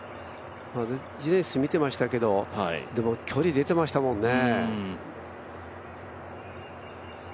ジェネシス見ていましたけど距離出ていましたもんね。